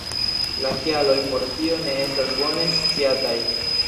La kialoj por tio ne estas bone sciataj.